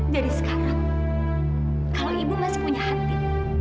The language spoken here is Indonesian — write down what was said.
jadi sekarang kalau ibu masih punya hati